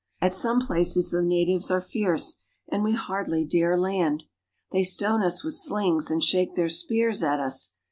At some places the natives are fierce, and we hardly dare land. They stone us with slings, and shake their spears at us.